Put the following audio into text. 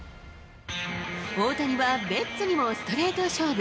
大谷はベッツにもストレート勝負。